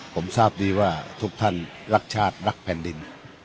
ผมทราบดีว่าทุกท่านรักชาติรักแผ่นดิน